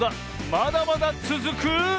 まだまだつづく。